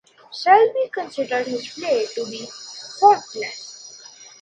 Selby considered his play to be "faultless".